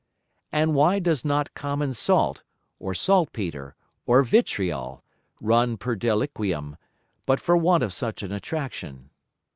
And why does not common Salt, or Salt petre, or Vitriol, run per Deliquium, but for want of such an Attraction?